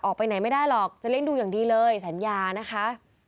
ออกไปไหนไม่ได้หรอกจะเลี้ยงดูอย่างดีเลยสัญญานะคะ